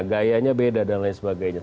gayanya beda dan lain sebagainya